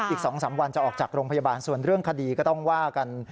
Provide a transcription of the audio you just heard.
อีก๒๓วันจะออกจากโรงพยาบาลส่วนเรื่องคดีก็ต้องว่ากัน